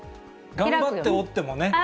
頑張って折ってもね。